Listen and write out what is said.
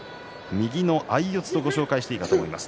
右の相四つとご紹介していいかもしれません。